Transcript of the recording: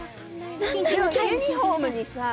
ユニフォームにさ